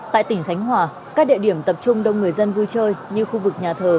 tại tỉnh khánh hòa các địa điểm tập trung đông người dân vui chơi như khu vực nhà thờ